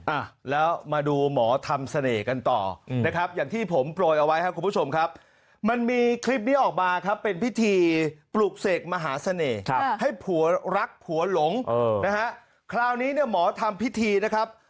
อ่ะแล้วมาดูหมอทำเสน่ห์กันต่อนะครับอย่างที่ผมโปรยเอาไว้ครับคุณผู้ชมครับมันมีคลิปนี้ออกมาครับเป็นพิธีปลุกเสกมหาเสน่ห์ให้ผัวรักผัวหลงนะฮะคราวนี้เนี่ยหมอทำพิธีนะครับ